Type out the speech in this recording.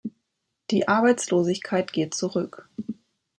Die Arbeitslosigkeit geht zurück.